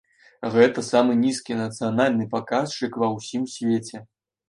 Гэта самы нізкі нацыянальны паказчык ва ўсім свеце.